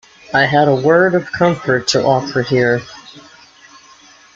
I had a word of comfort to offer here.